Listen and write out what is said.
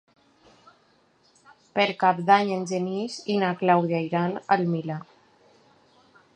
Per Cap d'Any en Genís i na Clàudia iran al Milà.